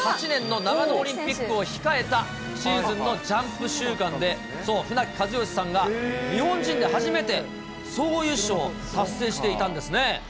１９９８年の長野オリンピックを控えたシーズンのジャンプ週間で、そう、船木和喜さんが日本人で初めて、総合優勝を達成していたんですね。